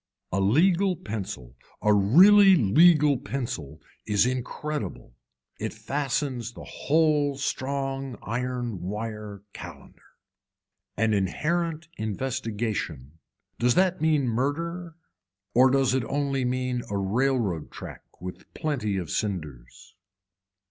A legal pencil a really legal pencil is incredible, it fastens the whole strong iron wire calender. An inherent investigation, does that mean murder or does it only mean a railroad track with plenty of cinders.